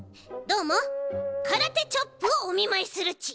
どーもからてチョップをおみまいするち！